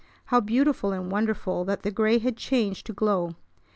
How beautiful and wonderful that the gray had changed to glow!